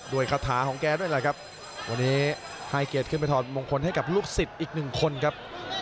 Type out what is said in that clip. คาถาของแกด้วยแหละครับวันนี้ให้เกียรติขึ้นไปถอดมงคลให้กับลูกศิษย์อีกหนึ่งคนครับ